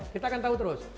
kita akan tahu terus